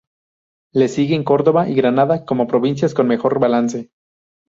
Le siguen Córdoba y Granada como provincias con mejor balance